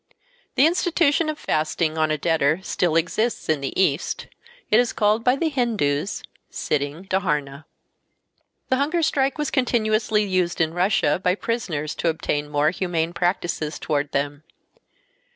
The institution of fasting on a debtor still exists in the East. It is called by the Hindoos "sitting dharna." The hunger strike was continuously used in Russia by prisoners to obtain more humane practices toward them.